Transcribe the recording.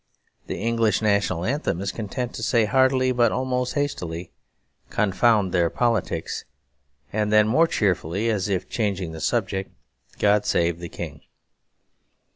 The English national anthem is content to say heartily, but almost hastily, 'Confound their politics,' and then more cheerfully, as if changing the subject, 'God Save the King.'